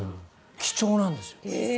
貴重なんですよ。